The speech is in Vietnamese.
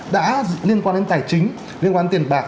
đã liên quan đến tài chính liên quan tiền bạc